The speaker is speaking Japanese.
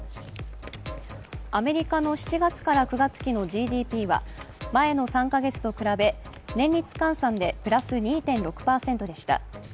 アメリカの７月から９月期のＧＤＰは前の３か月と比べ、年率換算でプラス２．６％でした。